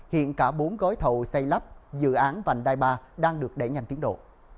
hiện cả bốn gói thầu xây lắp dự án vành đai ba đang được đẩy nhanh tiến độ